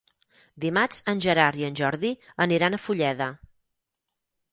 Dimarts en Gerard i en Jordi aniran a Fulleda.